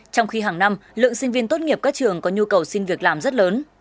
trong khi hàng năm lượng sinh viên tốt nghiệp các trường có nhu cầu xin việc làm rất lớn